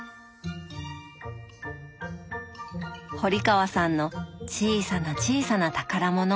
堀川さんの小さな小さな宝物。